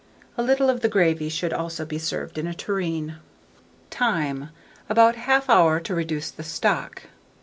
A little of the gravy should also be served in a tureen. Time. About 1/2 hour to reduce the stock.